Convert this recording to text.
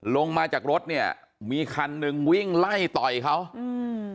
ลงมาจากรถเนี้ยมีคันหนึ่งวิ่งไล่ต่อยเขาอืม